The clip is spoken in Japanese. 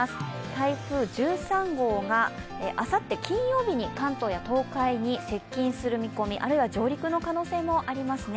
台風１３号があさって金曜日に関東や東海に接近する見込み、あるいは上陸の可能性もありますね。